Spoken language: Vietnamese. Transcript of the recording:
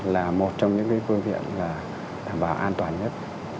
là một trong những cái phương tiện là đảm bảo an toàn nhất